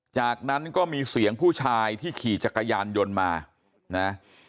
จากนั้นก็มีเสียงผู้ชายที่ขี่จักรยานยนต์มานะ